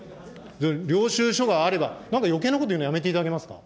領収書があれば、よけいなこと言うのやめていただけますか。